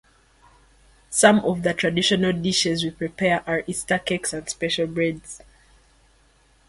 Some of the traditional dishes we prepare are Easter cakes and special breads.